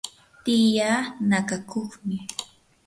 tiyaa nakakuqmi.